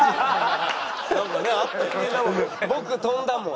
「僕飛んだもん」。